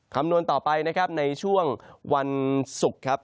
คำนวณต่อไปในช่วงวันศุกร์ครับ